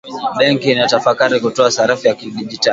Benki inatafakari kutoa sarafu ya kidigitali